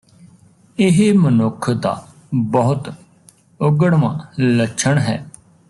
ਇਹ ਮਨੁੱਖ ਦਾ ਬਹੁਤ ਉਘੜਵਾਂ ਲੱਛਣ ਹੈ